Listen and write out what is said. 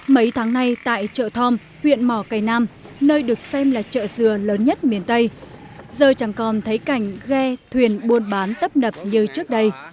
mấy tháng nay tại chợ thom huyện mỏ cây nam nơi được xem là chợ dừa lớn nhất miền tây giờ chẳng còn thấy cảnh ghe thuyền buôn bán tấp nập như trước đây